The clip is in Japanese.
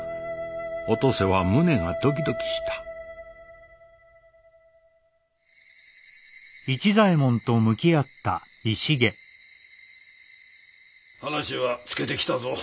お登勢は胸がドキドキした話はつけてきたぞ。